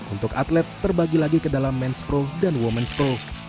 untuk atlet terbagi lagi ke dalam men's pro dan women's pro